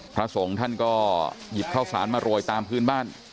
พระสงฆ์ท่านก็หยิบข้าวสารมาโรยตามพื้นบ้าน